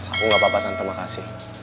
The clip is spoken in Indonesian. aku gak apa apa tante makasih